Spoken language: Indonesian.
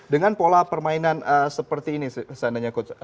dengan pola permainan seperti ini seandainya coach